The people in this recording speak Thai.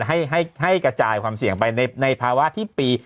ให้กระจายความเสี่ยงไปในภาวะที่ปี